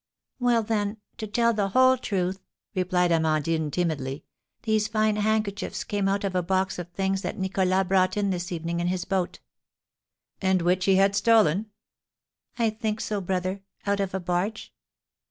"Well, then, to tell the whole truth," replied Amandine, timidly, "these fine handkerchiefs came out of a box of things that Nicholas brought in this evening in his boat." "And which he had stolen?" "I think so, brother, out of a barge."